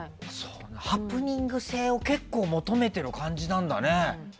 ハプニング性を結構、求めている感じなんだね。